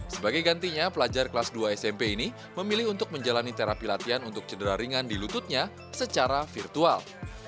sebagai gantinya pelajar kelas dua smp ini memilih untuk menjalani terapi latihan untuk cedera ringan di lututnya secara virtual